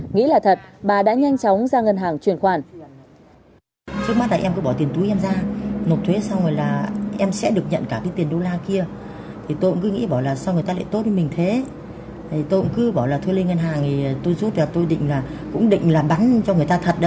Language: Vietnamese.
nghĩ là thật bà đã nhanh chóng ra ngân hàng truyền khoản